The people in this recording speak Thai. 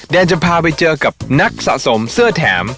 แนนจะพาไปเจอกับนักสะสมเสื้อแถม